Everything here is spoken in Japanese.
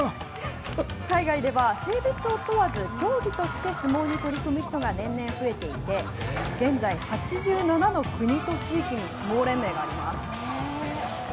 海外では、性別を問わず、競技として相撲に取り組む人が年々増えていて、現在８７の国と地域に相撲連盟があります。